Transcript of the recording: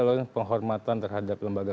lakukan penghormatan terhadap lembaga